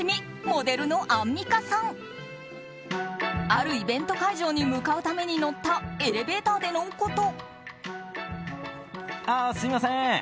あるイベント会場に向かうために乗ったエレベーターでのこと。